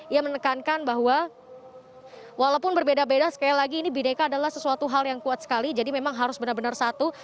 dan menekankan bahwa walaupun berbeda beda sekali lagi ini bdk adalah sesuatu hal yang kuat sekali jadi memang harus benar benar satu